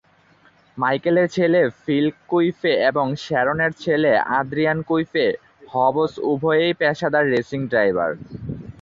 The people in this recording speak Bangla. মাইকেলের ছেলে ফিল কুইফে এবং শ্যারনের ছেলে আদ্রিয়ান কুইফে-হবস উভয়েই পেশাদার রেসিং ড্রাইভার।